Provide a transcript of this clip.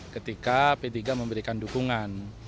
ketika p tiga memberikan dukungan